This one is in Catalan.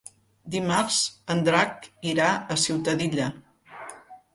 Dimarts en Drac irà a Ciutadilla.